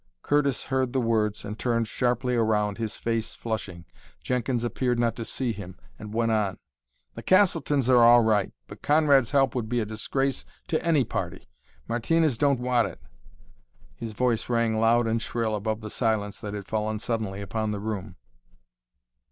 Curtis heard the words and turned sharply around, his face flushing. Jenkins appeared not to see him, and went on: "The Castletons are all right, but Conrad's help would be a disgrace to any party. Martinez don't want it!" His voice rang loud and shrill above the silence that had fallen suddenly upon the room.